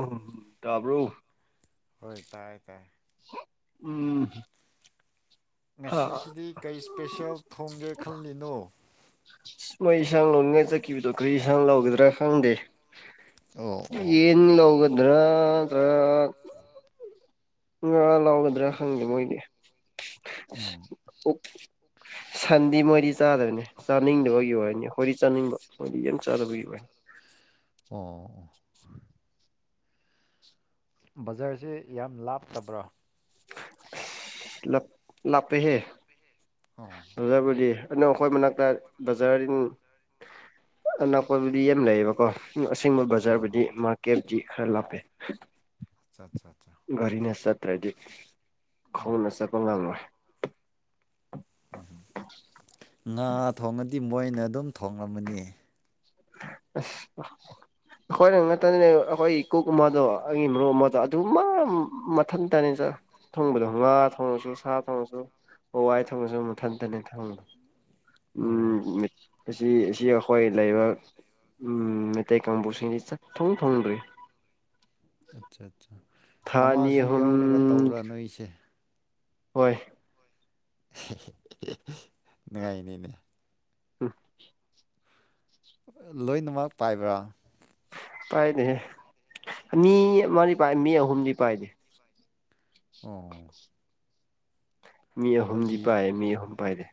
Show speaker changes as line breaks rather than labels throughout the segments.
ꯎꯝ ꯇꯥꯕ꯭ꯔꯣ
ꯍꯣꯏ ꯇꯥꯏꯌꯦ ꯇꯥꯏꯌꯦ
ꯎꯝ ꯑꯥ
ꯉꯁꯤꯁꯤꯗꯤ
ꯑ
ꯀꯩ
ꯎꯝ
ꯏꯁꯄꯦꯁꯦꯜ ꯊꯣꯡꯒꯦ ꯈꯜꯂꯤꯅꯣ
ꯁ ꯃꯩꯁꯤ ꯌꯦꯟꯁꯥꯡ ꯂꯧꯅꯤꯡꯉꯥꯏ ꯆꯠꯈꯤꯕꯗꯣ ꯀꯔꯤ ꯏꯟꯁꯥꯡ ꯂꯧꯒꯗ꯭ꯔꯥ ꯈꯪꯗꯦ
ꯑꯣ ꯑꯣ
ꯌꯦꯟ ꯂꯧꯒꯗ꯭ꯔꯥ꯭ ꯅꯠꯇꯔꯥ ꯉꯥ ꯂꯧꯒꯗ꯭ꯔꯥ ꯈꯪꯗꯦ ꯃꯣꯏꯗꯤ ꯁꯤ
ꯎꯝ
ꯑꯣꯛ ꯁ ꯍꯟꯗꯤ ꯃꯣꯏꯗꯤ ꯆꯥꯗꯕꯅꯤ ꯆꯥꯅꯤꯡꯗꯕꯒꯤ ꯑꯣꯏꯅꯤ ꯍꯣꯏꯗꯤ ꯆꯥꯅꯤꯡꯕ ꯃꯣꯏꯗꯤ ꯌꯥꯝ ꯆꯥꯗꯕꯒꯤ ꯑꯣꯏ [unintelligible]
ꯑꯣ ꯕꯖꯥꯔꯁꯦ ꯌꯥꯝ ꯂꯥꯞꯇꯕ꯭ꯔꯥ
ꯑꯁ ꯂꯥꯞ ꯂꯥꯄꯦꯍꯦ
ꯑꯣ
ꯕꯖꯔꯕꯨꯗꯤ ꯑꯗꯅ ꯑꯈꯣꯏ ꯃꯅꯥꯛꯇ ꯕꯖꯥꯔ ꯎꯪ ꯑꯅꯛꯄꯕꯨꯗꯤ ꯌꯥꯝ ꯂꯩꯌꯦꯕꯀꯣ ꯑꯁꯦꯡꯕ ꯕꯖꯥꯔꯕꯨꯗꯤ ꯃꯥꯔꯀꯦꯠꯗꯤ ꯈꯔ ꯂꯥꯞꯄꯦ
ꯑꯠꯆꯥ ꯑꯠꯆꯥ ꯑꯠꯆꯥ
ꯒꯥꯔꯤꯅ ꯆꯠꯇ꯭ꯔꯗꯤ ꯈꯣꯡꯅ ꯆꯠꯄ ꯉꯝꯂꯣꯏ
ꯉꯥ ꯊꯣꯡꯉꯗꯤ ꯃꯣꯏꯅ ꯑꯗꯨꯝ ꯊꯣꯡꯂꯝꯃꯅꯤ
ꯑꯁ ꯑꯥ ꯑꯈꯣꯏꯅ ꯉꯇꯅꯤꯅꯦ ꯑꯈꯣꯏꯒꯤ ꯀꯨꯛ ꯑꯃꯗꯣ ꯑꯩꯒꯤ ꯃꯔꯨꯞ ꯑꯃꯗ ꯑꯗꯨꯃ ꯃꯊꯟꯇꯅꯤ ꯆꯠ ꯊꯣꯡꯕꯗꯣ ꯉꯥ ꯊꯣꯡꯉꯁꯨ ꯁꯥ ꯊꯣꯡꯉꯁꯨ ꯍꯋꯥꯏ ꯊꯣꯡꯉꯁꯨ ꯃꯨꯊꯟꯇꯅꯤ ꯊꯣꯡꯕꯗꯣ
ꯑꯣ
ꯑꯁꯤ ꯑꯁꯤ ꯑꯩꯈꯣꯏ ꯂꯩꯕ ꯎꯝ ꯅꯇꯩ ꯀꯝꯄꯨꯔꯁꯤꯡꯗꯤ ꯆ ꯊꯣꯡ ꯊꯣꯡꯔꯤ
ꯑꯠꯆꯥ ꯆ ꯆꯥ ꯑꯃꯁꯨ
ꯑꯍꯨꯝ
ꯌꯥꯎꯔꯒ ꯇꯧꯕꯔ ꯅꯣꯏꯁꯦ
ꯍꯣꯏ
ꯅꯨꯡꯉꯥꯏꯅꯤꯅꯦ
ꯎꯝ
ꯂꯣꯏꯅꯃꯛ ꯄꯥꯏꯕ꯭ꯔꯥ
ꯄꯥꯏꯅꯦ ꯑꯃꯅꯤ ꯑꯃꯔꯤ ꯄꯥꯏ ꯃꯤ ꯑꯍꯨꯝꯗꯤ ꯄꯥꯏꯗꯦ
ꯑꯣ
ꯃꯤ ꯑꯍꯨꯝꯗꯤ
ꯑꯗꯨꯗꯤ
ꯄꯥꯏꯌꯦ ꯃꯤ ꯑꯍꯨꯝ ꯄꯥꯏꯔꯦ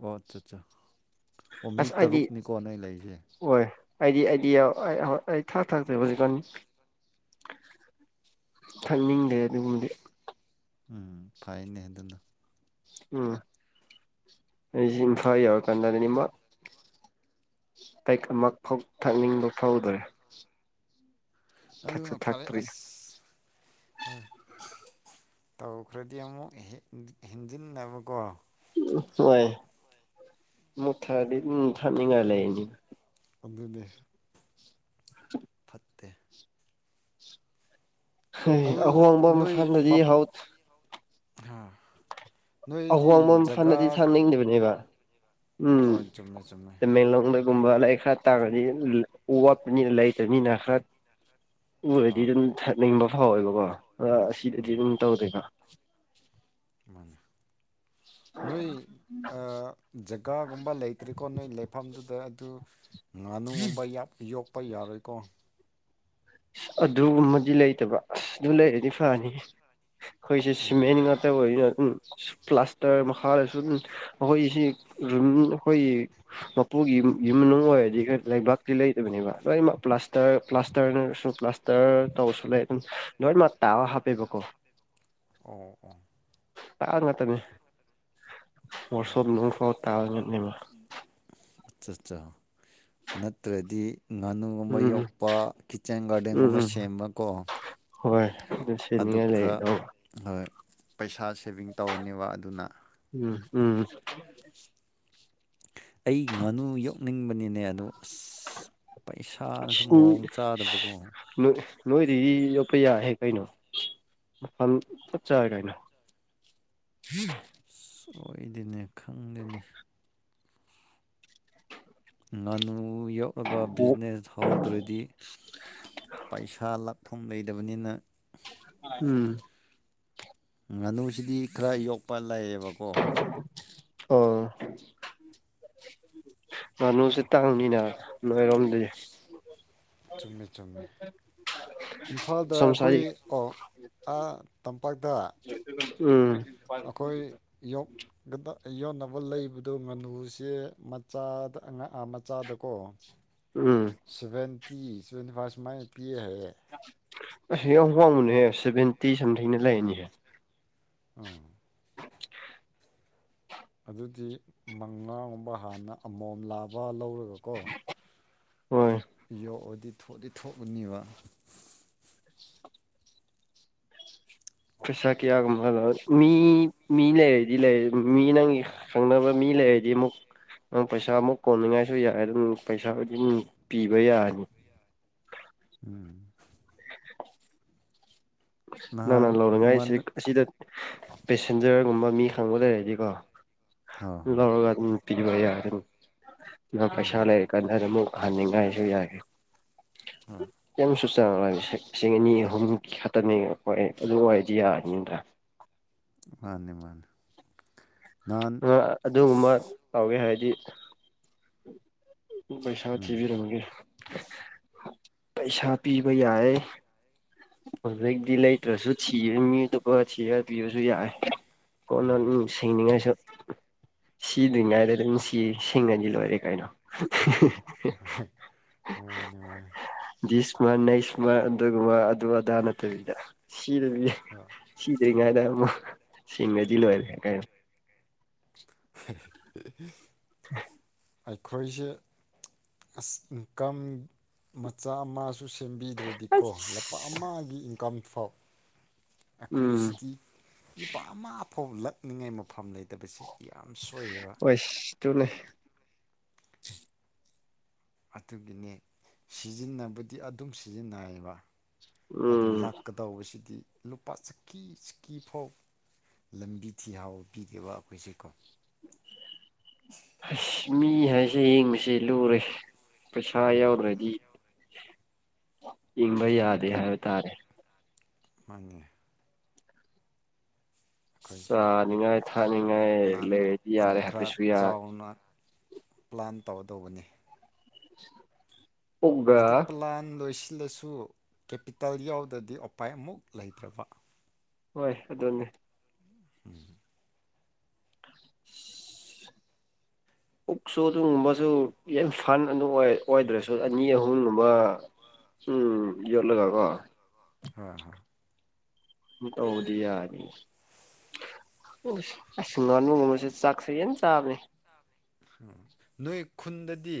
ꯑꯣ ꯑꯠꯆꯥ ꯑꯠꯆꯥ ꯑꯣ ꯃꯤ
ꯑꯁ ꯑꯩꯗꯤ
ꯇꯔꯨꯛꯅꯤꯀꯣ ꯅꯣꯏ ꯂꯩꯁꯦ
ꯍꯣꯏ ꯑꯩꯗꯤ ꯑꯩꯗꯤ ꯑꯩ ꯊꯥꯛ ꯊꯥꯛꯖꯩ ꯍꯧꯖꯤꯛꯀꯥꯟꯅꯤ ꯈꯛꯅꯤꯡꯗꯦ ꯑꯗꯨꯒꯨꯝꯕꯨꯗꯤ
ꯎꯝ ꯐꯩꯅꯦ ꯑꯗꯨꯅ
ꯎꯝ ꯑꯩꯁꯤ ꯏꯝꯐꯥ ꯌꯎꯔ ꯀꯥꯟꯗꯗꯅꯤꯡꯕ ꯇ ꯑꯃ ꯊꯛꯅꯤꯡꯕ ꯐꯥꯎꯗ꯭ꯔꯦ ꯊꯛꯁꯨ
ꯑꯗꯨꯒꯅ ꯐꯔꯦ
ꯊꯛꯇ꯭ꯔꯤ
ꯑꯁ ꯍꯣꯏ ꯇꯧꯈ꯭ꯔꯗꯤ ꯑꯃꯨꯛ ꯍꯦꯟ ꯍꯦꯟꯖꯤꯟꯅꯕꯀꯣ
ꯎ ꯍꯣꯏ ꯃꯨꯛ ꯊꯑꯗꯤ ꯑꯗꯨꯝ ꯊꯥꯅꯤꯡꯉꯥꯏ ꯂꯩꯅꯤ
ꯑꯗꯨꯅꯦ ꯇꯦ ꯑꯗꯨ
ꯑꯍꯣꯡꯕ ꯃꯁꯟꯅꯗꯤ ꯍꯥꯎꯠ
ꯍꯥ
ꯑꯍꯣꯡꯕ ꯐꯅꯗꯤ ꯊꯥꯛꯅꯤꯡꯗꯕꯅꯦꯕ ꯎꯝ
ꯍꯣꯏ ꯆꯨꯝꯃꯦ ꯆꯨꯝꯃꯦ
ꯇꯃꯦꯟ ꯂꯣꯡꯗ ꯒꯨꯝꯕ ꯂꯥꯏꯔꯤꯛ ꯈꯔ ꯇꯥꯡꯉꯅꯤ ꯋꯥꯠꯄꯅꯤꯅ ꯂꯩꯇꯕꯅꯤꯅ ꯈꯔ
ꯍ
ꯎꯔꯗꯤ ꯑꯗꯨꯝ ꯊꯠꯅꯤꯡꯕ ꯐꯥꯎꯋꯦꯕꯀꯣ ꯑꯁꯤꯗꯗꯤ ꯑꯗꯨꯝ ꯇꯧꯗꯦꯀꯣ
ꯃꯅꯦ
[unintelligible]
ꯅꯣꯏ ꯑ ꯖꯒꯥꯒꯨꯝꯕ ꯂꯩꯇ꯭ꯔꯤꯀꯣ ꯅꯣꯏ ꯂꯩꯐꯝꯗꯨꯗ ꯑꯗꯨ ꯉꯥꯅꯨꯒꯨꯝꯕ ꯌꯥꯞ ꯌꯣꯛꯄ ꯌꯥꯔꯣꯏꯀꯣ
ꯑ ꯑꯗꯨꯃꯗꯤ ꯂꯩꯇꯕ ꯑꯁ ꯑꯗꯨ ꯂꯩꯔꯗꯤ ꯐꯅꯤ ꯑꯩꯈꯣꯏꯁꯦ
ꯎꯝ
ꯁꯤꯃꯦꯟ ꯉꯥꯛꯇ ꯑꯣꯏꯅ ꯈꯟꯒꯅ ꯎꯝ ꯄ꯭ꯂꯥꯁꯇꯔ ꯃꯈꯥꯗ ꯁꯨꯝ ꯑꯩꯈꯣꯏꯁꯤ ꯔꯨꯝ ꯑꯩꯈꯣꯏꯒꯤ ꯃꯄꯨꯒꯤ ꯌꯨꯝ ꯃꯅꯨꯡ ꯑꯣꯏꯔꯗꯤ ꯂꯩꯕꯥꯛꯇꯤ ꯂꯩꯇꯕꯅꯦꯕ ꯂꯣꯏꯅꯃꯛ ꯄ꯭ꯂꯥꯁꯇꯔ ꯄ꯭ꯂꯥꯁꯇꯔꯅ ꯄꯂꯁꯇꯔ ꯇꯧꯁꯨ ꯂꯩ ꯑꯗꯨꯝ ꯂꯣꯏꯅꯃꯛ ꯇꯥꯕ ꯍꯥꯞꯄꯦꯕꯀꯣ
ꯑꯣ ꯑꯣ
ꯇꯥꯏꯜ ꯉꯥꯛꯇꯅꯦ
ꯑꯣ
ꯋꯥꯔꯁꯣꯞ ꯅꯣꯡꯁꯣ ꯇꯥꯏꯜ ꯉꯛꯅꯦꯕ
ꯆꯠ ꯆ ꯅꯠꯇ꯭ꯔꯗꯤ ꯉꯥꯅꯨꯒꯨꯝꯕ
ꯎꯝ
ꯌꯣꯛꯄ ꯀꯤꯠꯆꯦꯟ
ꯎꯝ
ꯒꯥꯔꯗꯦꯟꯒꯨꯝꯕ
ꯎꯝ
ꯁꯦꯝꯕꯀꯣ
ꯍꯣꯏ
ꯑꯗꯨ
ꯁꯦꯠꯅꯤꯡꯉꯥꯏ
ꯈꯔ
ꯂꯩꯗꯧꯕ
ꯍꯣꯏ ꯄꯩꯁꯥ ꯁꯦꯚꯤꯡ ꯇꯧꯔꯅꯦꯕ ꯑꯗꯨꯅ
ꯎꯝ ꯎꯝ
ꯑꯩ ꯉꯥꯅꯨ ꯌꯣꯛꯅꯤꯡꯕꯅꯤꯅꯦ ꯑꯗꯨ ꯑꯁ ꯄꯩꯁꯥꯅꯁꯨ
ꯁꯤꯟ
ꯃꯑꯣꯡ ꯆꯥꯗꯕꯀꯣ
ꯁꯤ ꯅꯣꯏꯔꯤ ꯌꯣꯛ ꯄ ꯌꯥꯏꯍꯦ ꯀꯩꯅꯣ ꯃꯐꯝ ꯆꯞ ꯆꯥꯔꯦ ꯀꯩꯅꯣ [unintelligible]
ꯁꯣꯏꯗꯅꯦ ꯈꯪꯗꯦꯅꯤ ꯉꯥꯅꯨ ꯌꯣꯛꯂꯒ ꯕꯤꯖꯤꯅꯦꯁ ꯍꯧꯗ꯭ꯔꯗꯤ ꯄꯩꯁꯥ ꯂꯞ ꯐꯝ ꯂꯩꯇꯕꯅꯤꯅ
ꯎꯝ
ꯉꯥꯅꯨꯁꯤꯗꯤ ꯈꯔ ꯌꯣꯛꯄ ꯂꯩꯌꯦꯕꯀꯣ
ꯑꯣ ꯉꯅꯨꯁ ꯇꯥꯡꯅꯤꯅ ꯅꯣꯏꯔꯣꯝꯗ
ꯆꯨꯝꯃꯦ ꯆꯨꯝꯃꯦ ꯏꯝꯐꯥꯜꯗ
ꯁꯣꯝꯁꯥꯏ
ꯑꯩꯈꯣꯏ ꯑꯣ ꯇꯝꯄꯥꯛꯇ
ꯎꯝ
ꯑꯩꯈꯣꯏ ꯌꯣꯛꯗ ꯑꯩ ꯌꯣꯟꯅꯕ ꯂꯩꯕꯗꯣ ꯉꯥꯅꯨꯁꯦ ꯃꯆꯥꯗ ꯑ ꯃꯆꯥꯗꯀꯣ
ꯎꯝ
ꯇꯤ ꯇ꯭ꯋꯦꯟꯇꯤ ꯐꯥꯔꯁ ꯃꯥꯏꯅ ꯄꯤꯑꯦ ꯍꯥꯏꯌꯦꯦ
ꯑꯁ [unintelligible] ꯌꯥꯝ ꯋꯥꯡꯕꯅꯦꯍꯦ ꯁꯚꯦꯟꯇꯤ ꯁꯝꯊꯤꯡꯅ ꯂꯩꯔꯅꯤꯍꯦ
ꯑ ꯑꯗꯨꯗꯤ ꯃꯉꯥꯒꯨꯝꯕ ꯍꯥꯟꯅ ꯑꯃꯣꯝ ꯂꯥꯕ ꯂꯧꯔꯒꯀꯣ
ꯍꯣꯏ
ꯌꯣꯛꯑꯗꯤ ꯊꯣꯛꯗꯤ ꯊꯣꯛꯑꯅꯤꯕ
ꯄꯩꯁꯥ ꯀꯌꯥꯒꯨꯝꯕꯜ ꯃꯤ ꯃꯤ ꯂꯩꯔꯗꯤ ꯂꯩ ꯃꯤ ꯅꯪꯒꯤ ꯈꯪꯅꯕ ꯃꯤ ꯂꯩ ꯗꯤ ꯑꯃꯨꯛ ꯅꯪ ꯄꯩꯁꯥꯃꯨꯛ ꯀꯣꯟꯅꯤꯡꯉꯥꯏꯁꯨ ꯌꯥꯏ ꯑꯗꯨꯝ ꯄꯩꯁꯥꯕꯨꯗꯤ ꯑꯗꯨꯝ ꯄꯤꯕ ꯌꯥꯔꯅꯤ [inaudible]
ꯎꯝ
ꯅ ꯅ
ꯅꯍꯥꯟ ꯏꯃꯥꯟ
ꯂꯧꯅꯉꯥꯏꯁꯦ ꯑꯁꯤꯗ ꯄꯦꯁꯦꯟꯖꯔꯒꯨꯝꯕ ꯃꯤ ꯈꯪꯕ ꯂꯩꯔꯗꯤꯀꯣ
ꯍꯣꯏ ꯍꯣꯏ
ꯂꯧꯔꯒ ꯑꯗꯨꯝ ꯄꯤꯕ ꯌꯥꯔꯅꯤ ꯑꯗꯨꯒ
ꯎꯝ
ꯄꯩꯁꯥ ꯂꯩꯔ ꯀꯥꯟꯗ ꯑꯃꯨꯛ ꯍꯟꯅꯤꯡꯉꯥꯏꯁꯨ ꯌꯥꯏꯦ
ꯍꯣꯏ
ꯀꯁꯨ ꯆ ꯂꯤꯁꯤꯡ ꯑꯅꯤ ꯑꯍꯨꯝꯛ ꯈꯅꯤ ꯍꯣꯏ ꯑꯗꯨ ꯑꯣꯏꯔꯗꯤ ꯌꯥꯔꯅꯤꯗ꯭ꯔꯥ
ꯃ ꯋꯥ
ꯑꯗꯨꯒꯨꯝꯕ ꯇꯧꯋꯦ ꯍꯥꯏꯕꯗꯤ ꯄꯩꯁꯥ
ꯎꯝ
ꯊꯤꯕꯤꯔꯝꯒꯦ ꯄꯩꯁꯥ ꯄꯤꯕ ꯌꯥꯏ ꯍꯧꯖꯤꯛꯇꯛꯇ ꯂꯩꯇ꯭ꯔꯁꯨ ꯁꯤꯔꯦ ꯃꯤꯗꯨ ꯄꯨꯔ ꯁꯤꯔꯒ ꯄꯤꯕꯁꯨ ꯌꯥꯏꯦ ꯀꯣꯟꯅ ꯁꯁꯤꯡꯅꯤꯡꯉꯥꯏꯁꯨ ꯁꯤꯗ꯭ꯔꯤꯉꯥꯏꯗ ꯑꯗꯨꯝ ꯁꯤ ꯁꯤꯡꯉꯗꯤ ꯂꯣꯏꯔꯦ ꯀꯩꯅꯣ
ꯃꯥꯅꯤꯅꯨꯡꯉ
ꯁꯃ ꯅꯩ ꯏꯁꯃ ꯑꯗꯨꯒꯨꯝꯕ ꯑꯗꯨ ꯑꯗꯥ ꯅꯠꯇꯕꯤꯗ ꯁꯤꯗ ꯁꯤ ꯉꯥꯏꯗ ꯑꯃꯨꯛ ꯁꯤꯡꯒꯗꯤ ꯂꯣꯏꯔꯦ ꯀꯥꯏꯅ
[inaudible]
[inaudible]
ꯑꯩꯈꯣꯏꯁꯦ ꯑ ꯏꯟꯀꯝ ꯃꯆꯥ ꯑꯃ ꯁꯨ ꯁꯦꯝꯕꯤꯗ꯭ꯔꯗꯤꯀꯣ ꯂꯨꯄꯥ
ꯑꯁ
ꯑꯃꯒꯤ ꯏꯟꯀꯝ ꯐꯥꯎ
ꯎꯝ
ꯑꯩꯈꯣꯏꯁꯤꯗꯤ ꯂꯨꯄꯥ ꯑꯃ ꯐꯥꯎ ꯂꯛꯅꯤꯡꯉꯥꯏ ꯃꯐꯝ ꯂꯩꯇ ꯐꯠꯇꯕꯁꯦ ꯌꯥꯝ ꯁꯣꯏꯌꯦꯕ
ꯍꯣꯏ ꯑꯗꯨꯅꯦ
ꯑꯗꯨꯒꯤꯅꯤ ꯁꯤꯖꯤꯟꯅꯕꯗꯤ ꯑꯗꯨꯝ ꯁꯤꯖꯤꯟꯅꯩꯌꯦꯕ ꯑꯗꯨ
ꯎꯝ
ꯂꯥꯛꯀꯗꯧꯕꯁꯤꯗꯤ ꯂꯨꯄꯥ ꯆꯀꯤ ꯆꯀꯤ ꯐꯥꯎ ꯂꯝꯕꯤ ꯊꯤ ꯍꯥꯎꯕ ꯄꯤꯗꯦꯕ ꯑꯩꯈꯣꯏꯁꯦꯀꯣ
ꯑꯁ ꯃꯤ ꯍꯥꯏꯁꯦ ꯌꯦꯡꯕꯁꯦ ꯂꯨꯔꯦ ꯄꯩꯁꯥ ꯌꯥꯎꯗ꯭ꯔꯗꯤ ꯏꯪꯕ ꯌꯥꯗꯦ ꯍꯥꯏꯕ ꯇꯥꯔꯦ
ꯃꯥꯉꯦ ꯑꯩꯈꯣꯏꯁꯦ
ꯆꯥꯅꯤꯡꯉꯥꯏ ꯊꯥꯅꯤꯡꯉꯥꯏ
ꯄ꯭ꯂꯥꯟ
ꯂꯩꯔꯗꯤ ꯌꯥꯔꯦ
ꯈꯔ
ꯍꯥꯏꯐꯦꯠꯁꯨ ꯌꯥ
ꯆꯥꯎꯅ ꯄ꯭ꯂꯥꯟ ꯇꯧꯒꯗꯧꯕꯅꯤ
[inaudible]
ꯑꯗꯨ ꯄꯂꯗꯣ ꯗꯁꯨ ꯀꯦꯄꯤꯇꯥꯜ ꯌꯥꯎꯗ꯭ꯔꯗꯤ ꯎꯄꯥꯏ ꯑꯃꯨꯛ ꯂꯩꯇ꯭ꯔꯕ
ꯍꯣꯏ ꯑꯗꯨꯅꯦ ꯄꯨꯛꯁꯨ ꯑꯗꯨꯒꯨꯝꯕꯁꯨ ꯌꯥꯝ ꯐꯟ ꯑꯗꯨꯝ ꯑꯣꯏ ꯑꯣꯏꯗ꯭ꯔꯁꯨ ꯑꯅꯤ ꯑꯍꯨꯝꯒꯨꯝꯕ ꯎꯝ ꯌꯂꯒꯉꯣ
ꯑ ꯍ
ꯇꯧꯗꯤ ꯌꯥꯅꯤ ꯑ ꯉꯕꯒꯨꯝꯕꯕꯁꯤꯦ ꯆꯥꯛꯁꯦ ꯌꯥꯝꯟꯅ ꯆꯥꯕꯅꯤ
ꯅꯣꯏ ꯈꯨꯟꯗꯗꯤ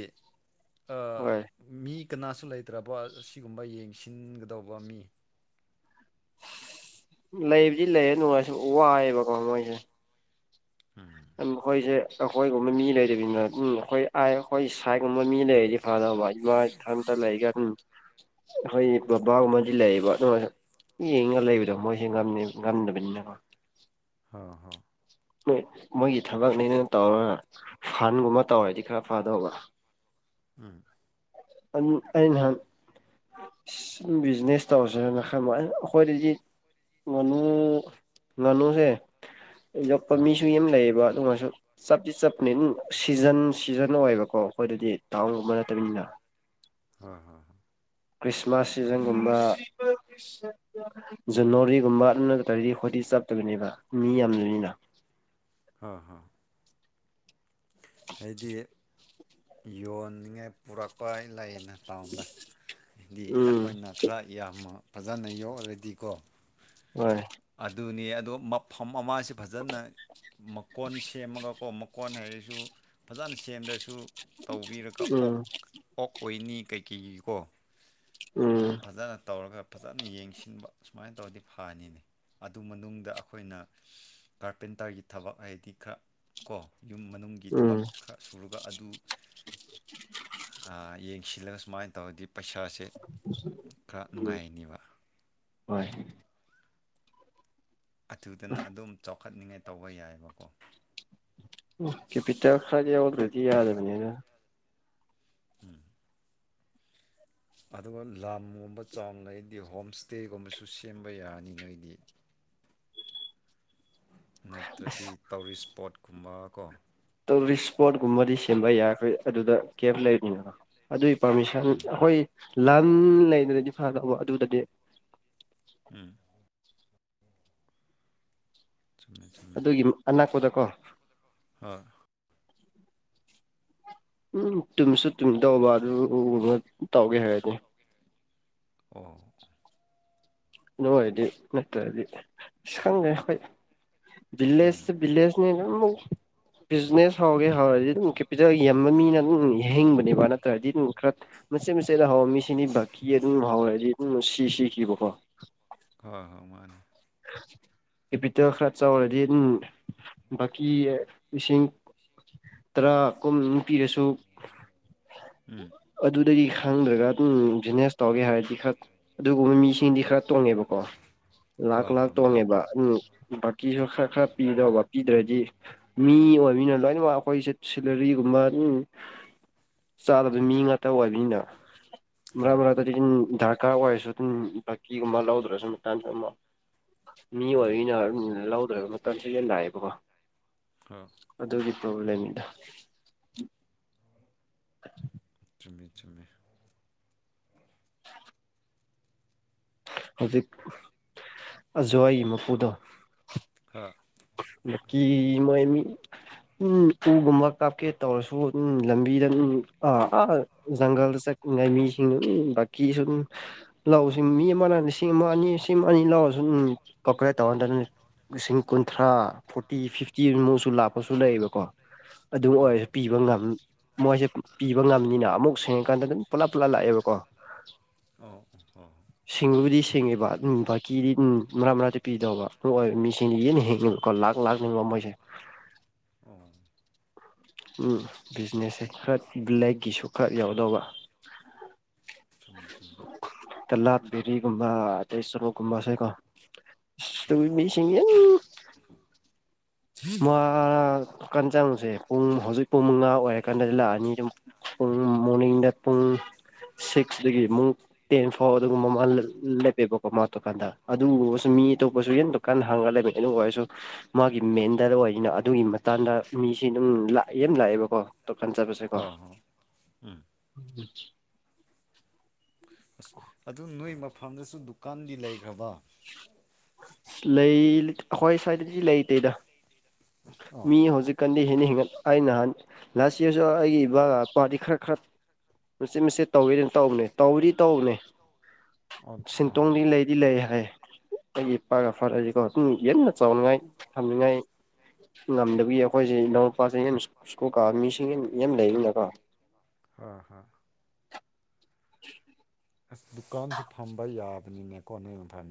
ꯍꯣꯏ
ꯃꯤ ꯀꯅꯥꯁꯨ ꯂꯩꯇ꯭ꯔꯕ ꯑꯁꯤꯒꯨꯝꯕ ꯌꯦꯡꯁꯤꯟꯒꯗꯧꯕ ꯃꯤ
ꯂꯩꯕꯨꯗꯤ ꯂꯩꯌꯦ ꯅꯨꯡꯉꯥꯏꯁꯨ ꯋꯥꯏꯑꯦꯕꯀꯣ ꯃꯣꯏꯁꯦ
ꯎꯝ
ꯑꯩꯈꯣꯏꯁꯦ ꯑꯩꯈꯣꯏꯒꯨꯝꯕ ꯃꯤ ꯂꯩꯅꯤꯅ ꯎꯝ ꯑꯩꯈꯣꯏ ꯑꯩꯈꯣꯏ ꯁꯥꯏꯒꯨꯝꯕ ꯃꯤ ꯂꯩꯔꯗꯤ ꯐꯥ ꯏꯃꯥ ꯏꯊꯟꯇ ꯂꯩꯒ ꯑꯗꯨꯝ ꯑꯩꯈꯣꯏ ꯕꯕꯥꯒꯨꯝꯕꯗꯤ ꯂꯩꯌꯦꯕ ꯑꯗꯨ ꯌꯦꯒ ꯂꯩꯕꯗꯣ ꯃꯣꯏꯁ ꯉꯝꯗꯕꯅꯤꯅꯀꯣ
ꯍ ꯍꯣꯏ
ꯣꯏ ꯃꯣꯏꯒꯤ ꯊꯕꯛꯅꯦꯅ ꯇꯧꯔꯒ ꯐꯟꯒꯨꯝꯕ ꯇꯧꯔꯗꯤ ꯈꯔ ꯐꯥꯗꯧꯕ
ꯎꯝ
ꯑ ꯑꯍ ꯕꯤꯖꯤꯅꯦꯁ ꯇꯧꯁꯦꯅ ꯈ ꯑꯩꯈꯣꯏꯗꯗꯤ ꯉꯥꯅꯨ ꯉꯥꯅꯨꯁꯦ ꯌꯣꯛꯄ
ꯍꯣꯏ
ꯃꯤꯁꯨ ꯌꯥꯝ ꯂꯩꯌꯦꯕ ꯑꯗꯨ ꯑꯣꯏꯔꯁꯨ ꯆꯞꯇꯤ ꯆꯞꯄꯅꯤ ꯑꯗꯨꯝ ꯁꯤꯖꯟ ꯁꯤꯖꯟ ꯑꯣꯏꯌꯦꯕꯀꯣ ꯑꯩꯈꯣꯏꯗꯗꯤ ꯇꯥꯎꯟꯒꯨꯝꯕ ꯅꯠꯇꯕꯅꯤꯅ
ꯍꯣꯏ ꯍꯣꯏ
ꯈ꯭ꯔꯤꯁꯃꯥꯁ ꯁꯤꯖꯟꯒꯨꯝꯕ ꯖꯅꯋꯥꯔꯤꯒꯨꯝꯕ ꯑꯗꯨꯅ ꯇꯔꯗꯤ ꯑꯩꯈꯣꯏꯗꯤ ꯆꯞꯇꯕꯅꯦꯕ ꯃꯤ ꯌꯥꯝꯗꯅꯤꯅ
ꯑ ꯍ ꯍꯥꯏꯗꯤ ꯌꯣꯟꯅꯤꯡꯉꯥꯏ ꯄꯨꯔꯛꯄ ꯂꯩꯌꯦꯅ ꯗ ꯍꯥꯏꯗꯤ
ꯎꯝ
ꯑꯩꯈꯣꯏꯅ ꯈꯔ ꯌꯥꯝꯅ ꯐꯖꯅ ꯌꯣꯛꯑꯔꯗꯤꯀꯣ
ꯍꯣꯏ
ꯑꯗꯨꯅ ꯑꯗꯣ ꯃꯐꯝ ꯑꯃꯁꯤ ꯐꯖꯅ ꯃꯀꯣꯟ ꯁꯦꯝꯃꯒꯀꯣ ꯃꯀꯣꯟ ꯍꯥꯏꯔꯤꯁꯤꯦ ꯁꯨ ꯐꯖꯅ ꯁꯦꯝꯗ꯭ꯔꯁꯨ ꯇꯧꯕꯤꯔꯒ ꯑꯣꯛ
ꯎꯝ
ꯑꯣꯛ ꯑꯣꯏꯅꯤ ꯀꯩꯀꯩꯒꯤꯀꯣ
ꯎꯝ
ꯁꯨꯃꯥꯏꯅ ꯐꯖꯅ ꯇꯧꯔꯒ ꯐꯖꯅ ꯌꯦꯡꯁꯤꯟꯕ ꯁꯨꯃꯥꯏꯅ ꯇꯧꯔꯗꯤ ꯐꯅꯤꯅꯤ ꯑꯗꯨ ꯃꯅꯨꯡꯗ ꯑꯩꯈꯣꯏꯅ ꯀꯥꯔꯄꯦꯟꯇꯔꯒꯤ ꯊꯕꯛ ꯍꯥꯏꯗꯤ ꯈꯔ ꯀꯣ ꯌꯨꯝ ꯒꯤ
ꯎꯝ
ꯊꯕꯛ ꯈꯔ ꯁꯨꯔꯒ ꯑꯗꯨ ꯌꯦꯡꯁꯤꯜꯂꯒ ꯁꯨꯃꯥꯏꯅ ꯇꯧꯔꯗꯤ ꯄꯩꯁꯥꯁꯦ ꯈꯔ ꯅꯨꯡꯉꯥꯏꯅꯦꯕ
ꯍꯣꯏ
ꯑꯗꯨꯊꯨꯗꯅ ꯑꯗꯨꯝ ꯆꯥꯎꯈꯠꯅꯤꯉꯥꯏ ꯇꯧꯕ ꯌꯥꯏꯕꯀꯣ
ꯎ ꯀꯦꯄꯤꯇꯥꯦꯜ ꯈꯔꯗꯤ ꯑꯣꯜꯗꯔꯦꯗꯤ ꯌꯥꯗꯕꯅꯤꯅ
ꯎꯝ ꯑꯗꯨꯒ ꯂꯝꯒꯨꯝꯕ ꯆꯥꯎꯅ ꯑꯩꯗꯤ ꯍꯣꯝ ꯏꯁꯇꯦꯒꯨꯝꯕꯁꯨ ꯁꯦꯝꯕ ꯌꯥꯅꯤ ꯅꯣꯏꯗꯤ ꯅꯠꯇ꯭ꯔꯗꯤ ꯇꯧꯔꯤꯁ ꯏꯁꯄꯣꯠꯀꯨꯝꯕ ꯀꯣ
ꯇꯨꯔꯤꯁ ꯏꯁꯄꯣꯠꯀꯨꯝꯕꯗꯤ ꯁꯦꯝꯕ ꯌꯥꯈꯦ ꯑꯗꯨꯗ ꯀꯦꯞ ꯂꯩꯕꯅꯤꯅꯅ ꯑꯗꯨꯏ ꯄꯥꯔꯃꯤꯁꯟ
ꯎꯝ
ꯑꯩꯈꯣꯏ ꯂꯝ ꯂꯩꯗꯅꯗꯤ ꯐꯗꯧꯕ ꯑꯗꯨꯗꯗꯤ
ꯎꯝ ꯆꯨꯝꯃꯦ ꯆꯨꯝꯃꯦ
ꯑꯗꯨꯒꯤ ꯑꯅꯥꯛꯄꯨꯗꯀꯣ
ꯍꯣꯏ
ꯎꯝ ꯇꯨꯝꯁꯨ ꯇꯨꯝ ꯇꯧꯕ ꯑꯗꯨꯕ ꯇꯧꯒꯦ ꯍꯥꯏꯔꯗꯤ
ꯑꯣ
ꯑꯗꯨ ꯑꯣꯏꯔꯗꯤ ꯅꯠꯇ꯭ꯔꯗꯤ ꯁ ꯈꯪꯉꯦ ꯑꯩꯈꯣꯏ
ꯎꯝ
ꯕꯤꯂꯦꯁ ꯕꯤꯂꯦꯁꯅꯤ ꯕꯤꯖꯤꯅꯦꯁ ꯍꯧꯒꯦ ꯍꯧꯔꯗꯤ ꯑꯗꯨꯝ ꯀꯦꯄꯤꯇꯦꯜ ꯌꯦꯟꯕ ꯃꯤꯅ ꯑꯗꯨꯝ ꯌꯥ ꯍꯤꯡꯕꯅꯦꯕ ꯅꯠꯇ꯭ꯔꯗꯤ ꯑꯗꯨꯝ ꯈꯔ ꯃꯆꯦꯠ ꯃꯆꯦꯠꯗ ꯍꯥꯎꯋ ꯃꯤꯁꯤꯅꯤ ꯕꯀꯤ ꯑꯗꯨꯝ ꯍꯥꯎꯋꯦ ꯍꯥꯏꯗꯤ ꯑꯗꯨꯝ ꯁꯤ ꯁꯤꯈꯤꯕꯀꯣ
ꯍ ꯍꯣꯏ ꯃꯥꯅꯦ
ꯀꯦꯄꯤꯇꯦꯜ ꯈꯔ ꯆꯥꯎꯔꯗꯤ ꯎꯝ ꯕꯀꯤ ꯂꯤꯁꯤꯡ ꯇꯔꯥ ꯀꯨꯝ ꯄꯤꯔꯁꯨ
ꯎꯝ
ꯑꯗꯨꯗꯒꯤ ꯈꯪꯗ꯭ꯔꯒ ꯑꯗꯨꯝ ꯕꯤꯖꯤꯅꯦꯁ ꯇꯧꯒꯦ ꯍꯥꯏꯔꯗꯤ ꯈꯔ ꯑꯗꯨꯒꯨꯝꯃ ꯃꯤꯁꯤꯡꯗꯤ ꯈꯔ ꯇꯣꯡꯉꯦꯕꯀꯣ ꯂꯥꯛ
ꯍꯣꯏ
ꯂꯥꯛ
ꯍꯣꯏ ꯃꯥꯅꯦ
ꯇꯣꯡꯉꯦꯕ ꯎꯝ ꯕꯥꯀꯤꯁꯨ ꯈꯔ ꯈꯔ ꯄꯤꯗꯧꯕ ꯄꯤꯗ꯭ꯔꯗꯤ ꯃꯤ ꯑꯣꯏꯕꯅꯤꯅ ꯂꯣꯏꯅꯃꯛ ꯑꯈꯣꯏꯁꯨ ꯁꯨꯂꯔꯤꯒꯨꯝ ꯃ ꯑꯝ ꯆꯥꯗꯕ ꯃꯤ ꯉꯥꯇ ꯑꯣꯏꯕꯅꯤꯅ ꯃꯔꯥ
ꯍꯣꯏ
ꯃꯔꯛꯇꯗꯤ ꯏꯟ ꯙꯔꯀꯥꯔ ꯑꯣꯏꯔꯁꯨ ꯑꯗꯨꯝ ꯕꯀꯤꯒꯨꯝꯕ ꯂꯧꯗ꯭ꯔꯁꯨ ꯃꯇꯥꯏꯝꯁ ꯑꯝ ꯃꯤ
ꯎꯝ
ꯑꯣꯏꯤꯅ ꯂꯧꯗꯔꯕ ꯃꯇꯝ ꯁꯤꯖꯟ ꯂꯥꯛꯑꯦꯕꯀꯣ
ꯍꯣꯏ
ꯑꯗꯨꯒꯤ ꯕꯧꯂꯦꯝ ꯏꯗ [unintelligible]
ꯆꯨꯝꯃꯦ ꯆꯨꯝꯃꯦ
ꯍꯧꯖꯤꯛ ꯑꯖꯨꯋꯥꯏꯒꯤ ꯃꯄꯨꯗꯣ
ꯍꯣꯏ
ꯂꯀꯤ ꯃꯣꯏꯃꯤ ꯎꯝ ꯎꯒꯨꯝꯕ ꯀꯥꯞꯀꯦ ꯇꯧꯔꯁꯨ ꯎꯝ ꯂꯝꯕꯤꯗ ꯑꯝ ꯑ ꯖꯪꯒꯜꯗ ꯆꯠ ꯉꯥꯏ ꯃꯤꯁꯤꯡꯗꯨ ꯎꯝ ꯕꯀꯤ ꯁꯨ ꯑꯗꯨꯝ ꯂꯥꯎꯁꯤꯡ ꯃꯤ ꯑꯃꯅ ꯂꯤꯁꯤꯡ ꯑꯃ ꯑꯅꯤ ꯁꯤꯝ ꯑꯅꯤ ꯂꯧꯎꯔꯖꯨ ꯎꯝ ꯀꯀꯔꯦ ꯇꯧꯍꯟꯗꯅꯨꯅꯦ ꯏꯁꯤꯡ ꯀꯨꯟꯊ꯭ꯔꯥ ꯐꯣꯔꯇꯤ ꯐꯤꯐꯇꯤ ꯑꯃꯨꯛꯁꯨ ꯂꯥꯛꯄꯁꯨ ꯂꯩꯌꯦꯕꯀꯣ ꯑꯗꯨꯝ
ꯑꯧ
ꯑꯣꯏꯔꯁꯨ ꯄꯤꯕ ꯉꯝ ꯃꯣꯏꯁꯦ ꯄꯤꯕ ꯉꯝꯅꯤꯅ ꯑꯃꯨꯛ ꯁꯦꯡꯉꯀꯥꯟꯗ ꯑꯗꯨꯝ ꯄꯨꯂꯞ ꯄꯨꯂꯞ ꯂꯥꯛꯑꯦꯕꯀꯣ
ꯑꯧ ꯍꯣꯏ
ꯁꯤꯡꯕꯕꯨꯗꯤ ꯁꯤ ꯊꯤꯡꯉꯤꯕ ꯑꯗꯨꯝ ꯚꯀꯤꯗꯤ ꯎꯝ ꯃꯔꯥ ꯃꯔꯥꯛꯇ ꯄꯤꯗꯧꯕ ꯇꯣꯍꯣꯏ ꯃꯤꯁꯤꯡꯒꯤ ꯑꯦꯅꯤ ꯅꯤꯍꯤꯝ ꯀꯣ ꯂꯥꯛ ꯂꯥꯛ ꯅꯤꯕ ꯃꯣꯏꯁꯦ
ꯎ
ꯎꯝ ꯕꯤꯖꯤꯅꯦꯁꯁꯦ ꯈꯔ ꯕꯂꯦꯛꯀꯤꯁꯨ ꯈꯔ ꯌꯥꯎꯗꯧꯕ
ꯆꯨꯝꯃꯤ ꯆꯨꯝ
ꯀꯂꯥꯞꯕꯦꯔꯤꯒꯨꯝꯕ ꯑꯇꯩ ꯁꯨꯔꯨꯀꯨꯝꯕꯁꯦꯀꯣ
ꯍꯣꯏ
ꯏꯁꯧꯏ ꯃꯤꯁꯤꯡꯖꯦ ꯎ ꯃꯥ ꯀꯟ ꯆꯪꯉꯨꯖꯦ ꯄꯨꯡ ꯍꯧꯖꯤꯛ ꯄꯨꯡ ꯃꯉꯥ ꯑꯣꯏꯔꯀꯥꯟꯗꯗꯤ ꯂꯥꯛꯑꯅꯤ ꯑꯗꯨ ꯄꯨꯡ ꯃꯣꯔꯅꯤꯡꯗ ꯄꯨꯡ ꯁꯤꯛꯁꯗꯒꯤ ꯑꯃꯨꯛ ꯇꯦꯟ ꯐꯥꯎ ꯑꯗꯨꯒꯨꯝꯕ ꯃꯂꯜ ꯂꯦꯞꯄꯦꯕꯀꯣ ꯃꯥ ꯇꯣꯀꯥꯟꯗ ꯑꯗꯨ ꯋꯣꯁꯟ ꯃꯤ ꯑꯇꯣꯄꯁꯩ ꯌꯦꯟ ꯗꯨꯀꯥꯟ ꯍꯥꯡꯉ ꯂꯩꯃꯩ ꯑꯗꯨ ꯑꯣꯏꯔꯁꯨ ꯃꯥ ꯏꯃꯦꯟꯗꯔ ꯑꯣꯏꯒꯤꯅ ꯑꯗꯨꯒꯤ ꯃꯇꯥꯟꯗ ꯃꯤꯁꯤ ꯑꯗꯨꯝ ꯂꯥꯛꯑꯦ ꯌꯥꯝ ꯂꯥꯛꯑꯦꯕꯀꯣ ꯇꯣ ꯀꯟꯆ ꯕꯁꯦ ꯀꯣ
ꯍꯣꯏ ꯍꯣꯏ ꯎꯝ ꯑꯁ ꯑꯗꯨ ꯅꯣꯏ ꯃꯐꯝꯗꯁꯨ ꯗꯨꯀꯥꯟꯗꯤ ꯂꯩꯈ꯭ꯔꯕ
ꯂꯩ ꯑꯈꯣꯏ ꯁꯋꯥꯏꯗꯗꯤ ꯂꯩꯇꯦꯗ
ꯑꯣ
ꯃꯤ ꯍꯧꯖꯤꯛ ꯀꯟꯗꯤ ꯍꯦꯟꯅ ꯍꯦꯟꯒꯠ ꯑꯥꯏ ꯅꯥꯑꯟ ꯂꯥꯁ ꯏꯌꯥꯔꯁꯨ ꯑꯩꯏꯕ ꯄꯥꯗꯤ ꯈꯔ ꯈꯔ ꯃꯆꯦ ꯃꯆꯤꯠ ꯇꯧꯋꯦ ꯑꯗꯨꯝ ꯇꯧꯕꯅꯦ ꯇꯧꯋꯔꯤ ꯇꯧꯕꯅꯦ
ꯑꯣ ꯑꯣ
ꯁꯤꯟꯇꯣꯡꯗꯤ ꯂꯩꯗꯤ ꯂꯩ ꯍꯥꯏ ꯑꯩꯒꯤ ꯏꯄꯥꯒ ꯐꯔꯖꯤꯀꯣ ꯌꯦꯟꯅ ꯆꯥꯎꯅꯤꯡꯉꯥꯏ ꯊꯝꯅꯤꯉꯥꯏ ꯉꯝꯗꯕꯒꯤ ꯑꯩꯈꯣꯏꯖꯦ ꯏꯅꯥꯎꯅꯨꯄꯁꯦ ꯍꯦꯟꯅ ꯁ꯭ꯀꯨꯜ ꯀꯥ ꯃꯤꯁꯤꯡ ꯒꯤ ꯌꯥꯝ ꯂꯩꯕꯅꯀꯣ
ꯑ ꯍ
[unintelligible]
ꯑꯁ ꯗꯨꯀꯥꯟꯁꯨ ꯐꯝꯕ ꯌꯥꯕꯅꯤꯅꯦꯀꯣ ꯅꯣꯏ ꯌꯨꯊꯟ